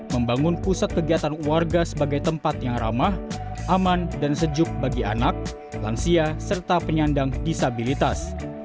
membangun pusat kegiatan warga sebagai tempat yang ramah aman dan sejuk bagi anak lansia serta penyandang disabilitas